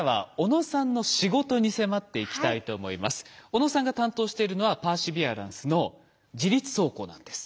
小野さんが担当しているのはパーシビアランスの自律走行なんです。